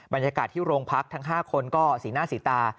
บรรยากาศที่โรงพักทั้ง๕คนก็สีหน้าสีตา